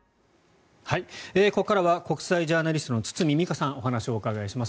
ここからは国際ジャーナリストの堤未果さんお話をお伺いします。